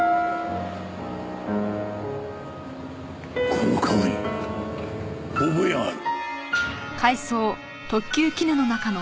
この顔に覚えがある。